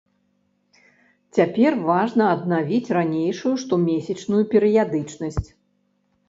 Цяпер важна аднавіць ранейшую штомесячную перыядычнасць.